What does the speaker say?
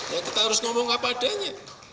ya kita harus ngomong apa adanya